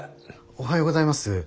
おはようございます。